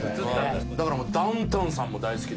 だからもう、ダウンタウンさんも大好きで。